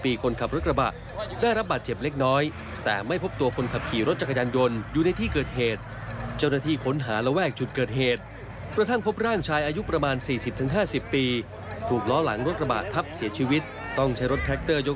อิงวีดีโตตาแบบช่องยี่ตัว